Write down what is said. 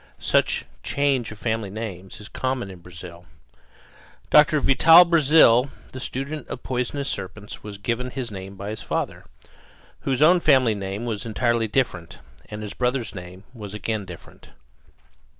Such change of family names is common in Brazil. Doctor Vital Brazil, the student of poisonous serpents, was given his name by his father, whose own family name was entirely different; and his brother's name was again different.